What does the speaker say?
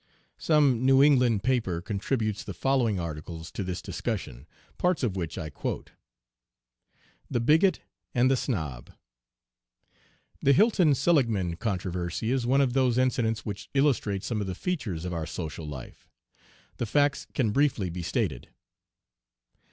Some New England paper contributes the following articles to this discussion, parts of which I quote: THE BIGOT AND THE SNOB "The Hilton Seligman controversy is one of those incidents which illustrate some of the features of our social life. The facts can briefly be stated.